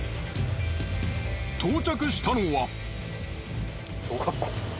到着したのは。